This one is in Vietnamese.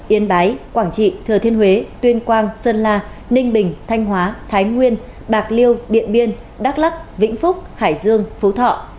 yên bái quảng trị thừa thiên huế tuyên quang sơn la ninh bình thanh hóa thái nguyên bạc liêu điện biên đắk lắc vĩnh phúc hải dương phú thọ